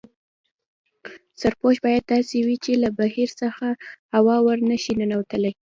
سرپوښ باید داسې وي چې له بهر څخه هوا ور نه شي ننوتلای.